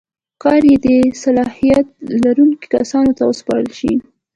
کار یې د صلاحیت لرونکو کسانو ته وسپارل شي.